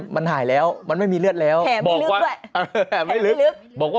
มันหายแล้วมันไม่มีเลือดแล้วบอกว่า